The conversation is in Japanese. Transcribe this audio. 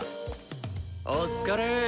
お疲れ。